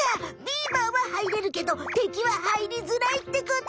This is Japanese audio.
ビーバーは入れるけど敵は入りづらいってことだむ！